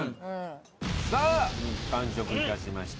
さあ完食致しました。